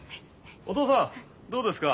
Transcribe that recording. お父さんどうですか？